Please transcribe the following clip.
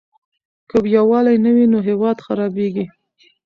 که يووالی نه وي نو هېواد خرابيږي.